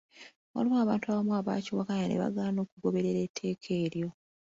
Waliwo abantu abamu abaakiwakanya ne bagaana okugoberera etteeka eryo.